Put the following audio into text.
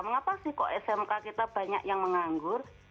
mengapa sih kok smk kita banyak yang menganggur